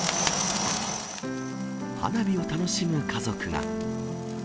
花火を楽しむ家族が。